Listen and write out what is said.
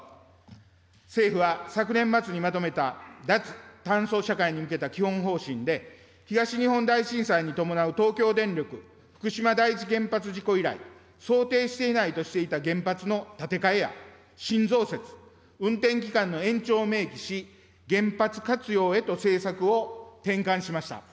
政府は昨年末にまとめた、脱炭素社会に向けた基本方針で、東日本大震災に伴う東京電力福島第一原発事故以来、想定していないとしていた原発の建て替えや、新増設、運転期間の延長を明記し、原発活用へと政策を転換しました。